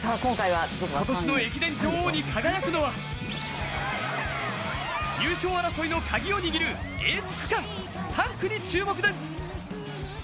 今年の駅伝女王に輝くのは、優勝争いの鍵を握るエース区間、３区に注目です。